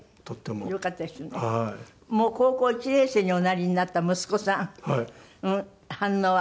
もう高校１年生におなりになった息子さん反応は。